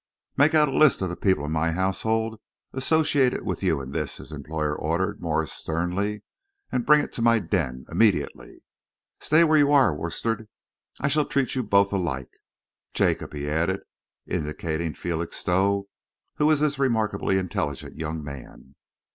"Make me out a list of the people in my household associated with you in this," his employer ordered Morse sternly, "and bring it to my den immediately. Stay where you are, Worstead. I shall treat you both alike. Jacob," he added, indicating Felixstowe, "who is this remarkably intelligent young man?"